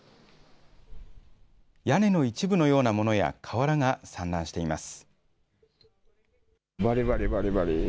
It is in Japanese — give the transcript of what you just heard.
屋根の一部のようなものや瓦が散乱しています。